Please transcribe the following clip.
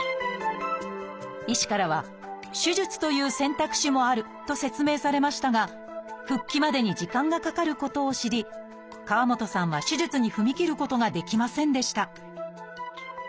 医師からは手術という選択肢もあると説明されましたが復帰までに時間がかかることを知り河本さんは手術に踏み切ることができませんでした。